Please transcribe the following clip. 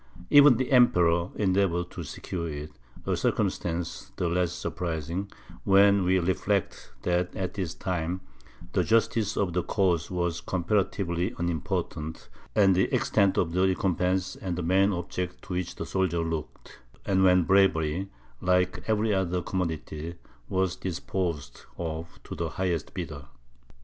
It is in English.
Even the Emperor endeavoured to secure it, a circumstance the less surprising, when we reflect that at this time the justice of the cause was comparatively unimportant, and the extent of the recompense the main object to which the soldier looked; and when bravery, like every other commodity, was disposed of to the highest bidder.